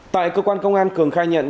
tại cơ quan công an cường khai nhận